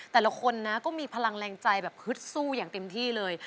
แต่ละคนนะก็มีพลังแรงใจแบบฮึดสู้อย่างเต็มที่เลย